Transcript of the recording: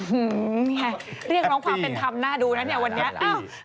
อื้อหือเรียกร้องความเป็นธรรมน่าดูนะเนี่ยวันนี้